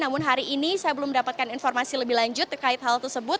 namun hari ini saya belum mendapatkan informasi lebih lanjut terkait hal tersebut